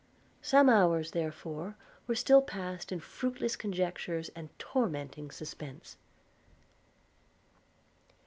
Some hours, therefore, were still passed in fruitless conjectures and tormenting suspense.